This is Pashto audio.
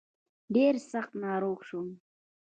ډېر سخت ناروغ شوم.